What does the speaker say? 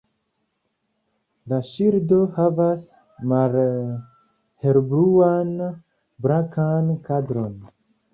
La ŝildo havas malhelbluan-blankan kadron.